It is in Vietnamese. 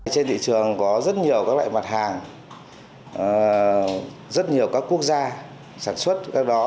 trên thị trường có rất nhiều các loại mặt hàng rất nhiều các quốc gia sản xuất các đó